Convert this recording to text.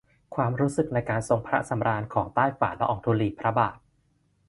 ความรู้สึกในการทรงพระสำราญของใต้ฝ่าละอองธุลีพระบาท